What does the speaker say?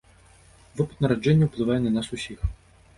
Вопыт нараджэння ўплывае на нас усіх.